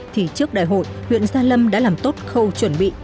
thì trước đại hội huyện gia lâm đã làm tốt khâu chuẩn bị